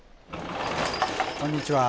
こんにちは。